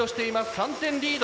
３点リード。